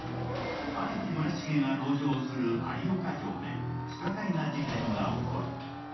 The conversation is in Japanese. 荒木村重が籠城する有岡城で不可解な事件が起こる。